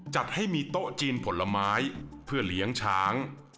จัดให้มีโต๊ะจีนผลไม้เพื่อเลี้ยงช้าง